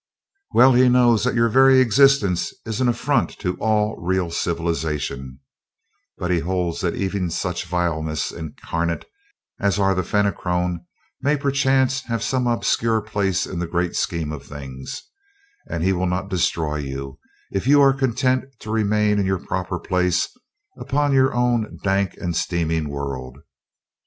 Well he knows that your very existence is an affront to all real civilization, but he holds that even such vileness incarnate, as are the Fenachrone, may perchance have some obscure place in the Great Scheme of Things, and he will not destroy you if you are content to remain in your proper place, upon your own dank and steaming world.